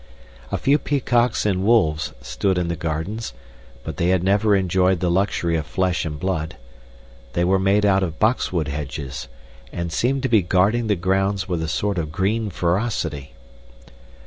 A few peacocks and wolves stood in the gardens, but they had never enjoyed the luxury of flesh and blood. They were made out of boxwood hedges and seemed to be guarding the grounds with a sort of green ferocity.